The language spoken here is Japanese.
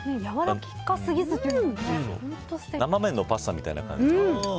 生麺のパスタみたいな感じ。